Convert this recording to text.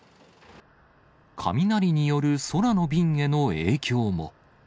雷による空の便への影響も。